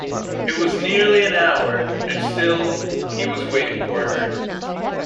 It was nearly an hour, and still he was waiting for her.